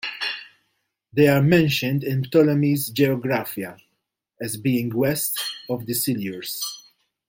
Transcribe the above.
They are mentioned in Ptolemy's "Geographia", as being west of the Silures.